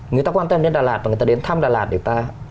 người ta quan tâm đến đà lạt và người ta đến thăm đà lạt để người ta